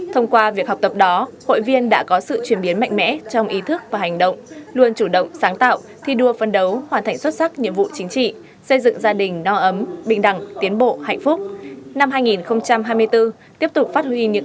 thông qua việc học tập đó hội viên đã có sự chuyển biến mạnh mẽ trong ý thức và hành động luôn chủ động sáng tạo thi đua phân đấu hoàn thành xuất sắc nhiệm vụ chính trị xây dựng gia đình no ấm bình đẳng tiến bộ hạnh phúc